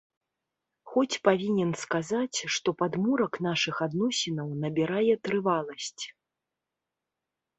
Хоць павінен сказаць, што падмурак нашых адносінаў набірае трываласць.